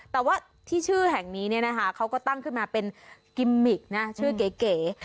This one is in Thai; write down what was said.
แต่ว่าที่ชื่อแห่งนี้เขาก็ตั้งขึ้นมาเป็นกิมมิกนะชื่อเก๋